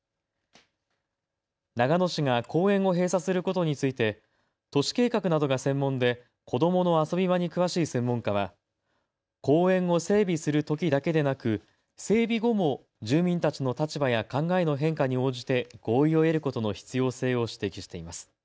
長野市が公園を閉鎖することについて、都市計画などが専門で子どもの遊び場に詳しい専門家は公園を整備するときだけでなく整備後も住民たちの立場や考えの変化に応じて合意を得ることの必要性を指摘しています。